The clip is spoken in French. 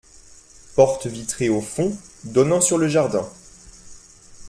Porte vitrée au fond, donnant sur le jardin.